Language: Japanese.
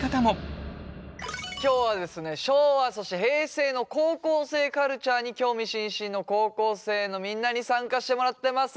今日はですね昭和そして平成の高校生カルチャーに興味津々の高校生のみんなに参加してもらってます。